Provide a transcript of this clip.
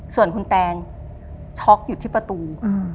ส่วนคุณแตงช็อกอยู่ที่ประตู